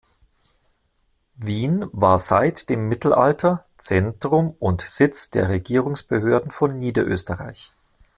Wien war seit dem Mittelalter Zentrum und Sitz der Regierungsbehörden von Niederösterreich.